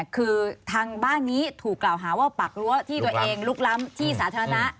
คือทางบ้านนี้ถูกกล่าวหาว่าปักรั้วที่ตัวเองลุกล้ำที่สาธารณะ